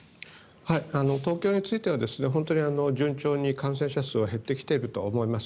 東京については本当に順調に感染者数は減ってきているとは思います。